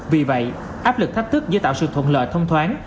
vì vậy áp lực thách thức dễ tạo sự thuận lợi thông thoáng